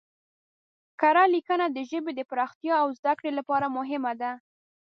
کره لیکنه د ژبې پراختیا او زده کړې لپاره مهمه ده.